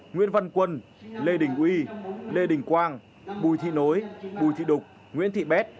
nguyễn văn quân lê đình huy lê đình quang bùi thị nối bùi thị đục nguyễn thị bét